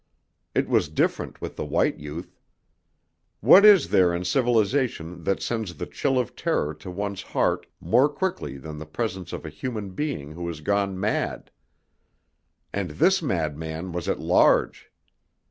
It was different with the white youth. What is there in civilization that sends the chill of terror to one's heart more quickly than the presence of a human being who has gone mad? And this madman was at large!